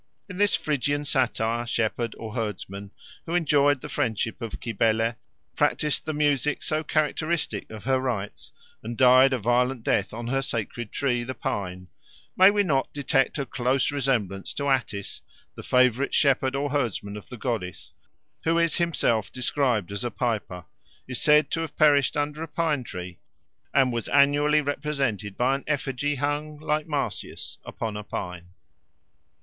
In this Phrygian satyr, shepherd, or herdsman who enjoyed the friendship of Cybele, practised the music so characteristic of her rites, and died a violent death on her sacred tree, the pine, may we not detect a close resemblance to Attis, the favourite shepherd or herdsman of the goddess, who is himself described as a piper, is said to have perished under a pine tree, and was annually represented by an effigy hung, like Marsyas, upon a pine?